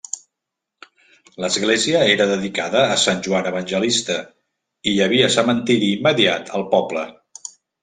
L'església era dedicada a sant Joan Evangelista, i hi havia cementiri immediat al poble.